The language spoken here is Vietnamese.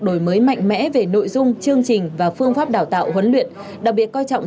đổi mới mạnh mẽ về nội dung chương trình và phương pháp đào tạo huấn luyện đặc biệt coi trọng